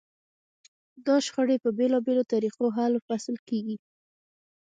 دا شخړې په بېلابېلو طریقو حل و فصل کېږي.